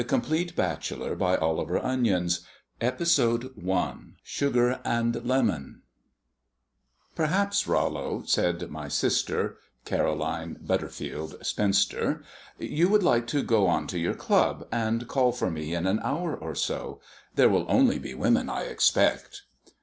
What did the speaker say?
SETTLING DAY 179 THE COMPLEAT BACHELOR I SUGAR AND LEMON "Perhaps, Rollo," said my sister (Caroline Butterfield, spinster), "you would like to go on to your club, and call for me in an hour or so. There will only be women, I expect."